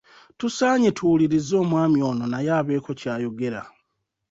Tusaanye tuwulirize omwami ono naye abeeko ky'ayogera.